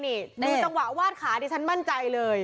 นี่ดูจังหวะวาดขาดิฉันมั่นใจเลย